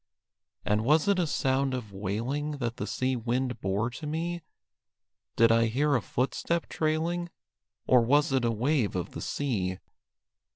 And was it a sound of wailing That the sea wind bore to me? Did I hear a footstep trailing? Or was it a wave of the sea?